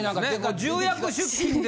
重役出勤で。